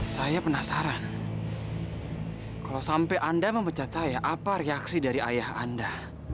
saya penasaran kalau sampai anda memecat saya apa reaksi dari ayah anda